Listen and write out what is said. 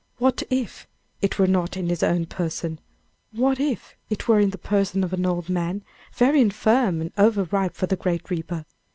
What if it were not in his own person? What if it were in the person of an old man, very infirm, and over ripe for the great reaper?